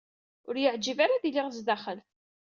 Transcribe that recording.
Ur y-iɛǧib ara ad iliɣ sdaxel.